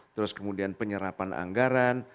terus kemudian penyerapan anggaran